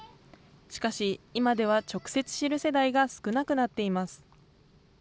しかし、今では直接知る世代が少なくなっています。